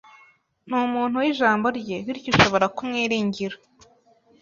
Ni umuntu wijambo rye, bityo ushobora kumwiringira.